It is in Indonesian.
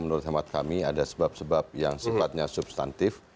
menurut hemat kami ada sebab sebab yang sifatnya substantif